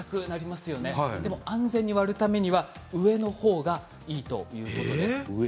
でも安全に割るためには上のほうがいいそうです。